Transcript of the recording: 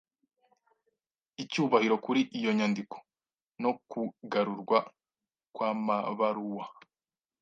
icyubahiro kuri iyo nyandiko nokugarurwa kwamabaruwa